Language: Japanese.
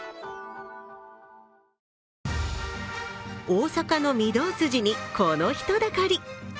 大阪の御堂筋にこの人だかり。